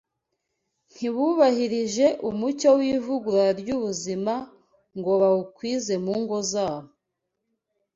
Ntibubahirije umucyo w’ivugurura ry’ubuzima ngo bawukwize mu ngo zabo